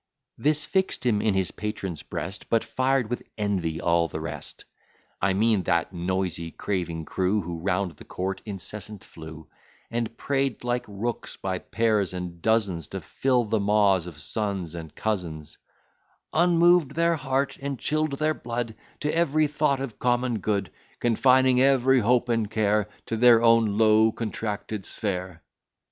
This fix'd him in his patron's breast, But fired with envy all the rest: I mean that noisy, craving crew, Who round the court incessant flew, And prey'd like rooks, by pairs and dozens, To fill the maws of sons and cousins: "Unmoved their heart, and chill'd their blood To every thought of common good, Confining every hope and care, To their own low, contracted sphere."